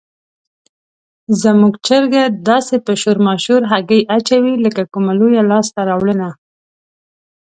زموږ چرګه داسې په شور ماشور هګۍ اچوي لکه کومه لویه لاسته راوړنه.